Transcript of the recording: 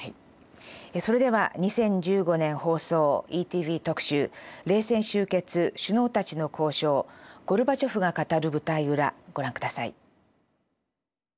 それでは２０１５年放送「ＥＴＶ特集」「冷戦終結首脳たちの交渉ゴルバチョフが語る舞台裏」ご覧下さい。